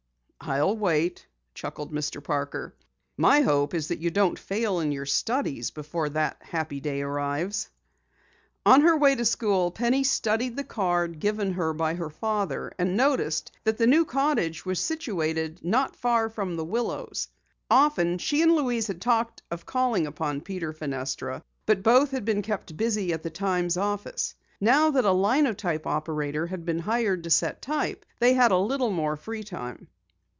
"I'll wait," chuckled Mr. Parker. "My hope is that you don't fail in your studies before that happy day arrives." On her way to school, Penny studied the card given her by her father, and noticed that the new cottage was situated not far from The Willows. Often she and Louise had talked of calling upon Peter Fenestra, but both had been kept busy at the Times office. Now that a linotype operator had been hired to set type, they had a little more free time.